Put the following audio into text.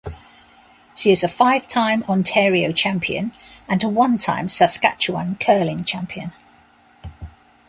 She is a five-time Ontario champion and a one-time Saskatchewan curling champion.